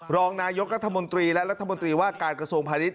รองนายกรัฐมนตรีและรัฐมนตรีว่าการกระทรวงพาณิชย